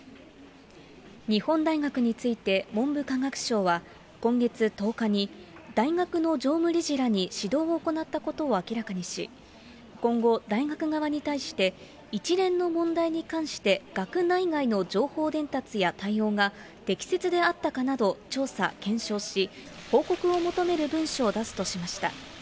日本大学について、文部科学省は今月１０日に、大学の常務理事らに指導を行ったことを明らかにし、今後、大学側に対して、一連の問題に関して、学内外の情報伝達や対応が適切であったかなどを調査・検証し、報告を求める文書を出すとしました。